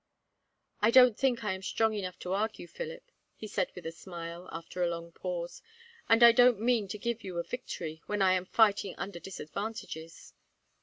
"I don't think I am strong enough to argue, Philip," he said with a smile, after a long pause, "and I don't mean to give you a victory, when I am fighting under disadvantages.